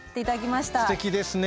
すてきですね。